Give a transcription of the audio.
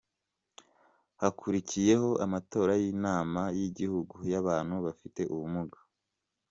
Hakurikiyeho amatora y’Inama y’Igihugu y’Abantu bafite ubumuga.